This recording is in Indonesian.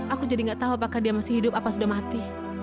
aku jadi gak tahu apakah dia masih hidup apa sudah mati